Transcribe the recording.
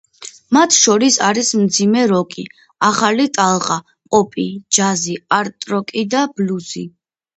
მათ შორის არის მძიმე როკი, ახალი ტალღა, პოპი, ჯაზი, არტ-როკი და ბლუზი.